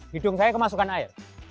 hidung saya kemasukan air